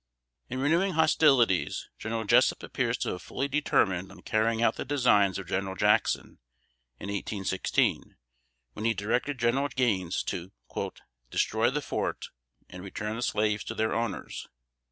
In renewing hostilities, General Jessup appears to have fully determined on carrying out the designs of General Jackson, in 1816, when he directed General Gaines to "destroy the fort, and return the slaves to their owners."